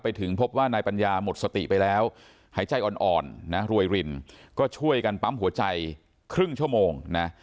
ถึงพบว่านายปัญญาหมดสติไปแล้วหายใจอ่อนนะรวยรินก็ช่วยกันปั๊มหัวใจครึ่งชั่วโมงนะ